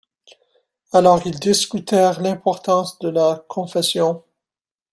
Alors ils discutèrent l'importance de la confession.